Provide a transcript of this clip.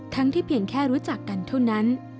ที่เพียงแค่รู้จักกันเท่านั้น